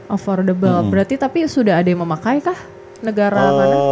affordable berarti tapi sudah ada yang memakai kah negara mana